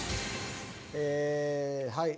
ええはい。